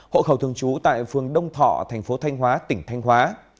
hộ khẩu thường trú tại phường đông thọ tp thanh hóa tỉnh thanh hóa